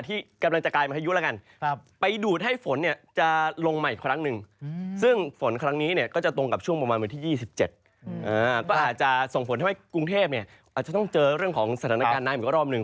ทำให้กรุงเทพฯอาจจะต้องเจอเรื่องของสถานการณ์นายเหมือนกับรอบหนึ่ง